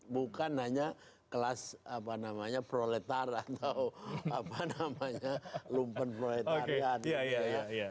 bukan hanya kelas apa namanya proletar atau apa namanya lumpen proletarian